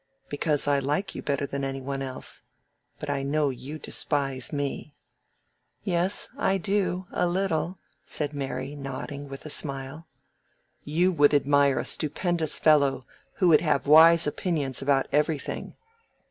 "Because I like you better than any one else. But I know you despise me." "Yes, I do—a little," said Mary, nodding, with a smile. "You would admire a stupendous fellow, who would have wise opinions about everything."